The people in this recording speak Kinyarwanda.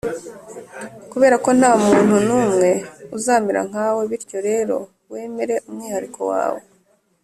kuberako ntamuntu numwe uzamera nkawe, bityo rero wemere umwihariko wawe!